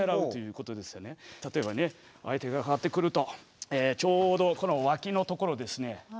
例えばね相手がかかってくるとちょうどこの脇のところをですね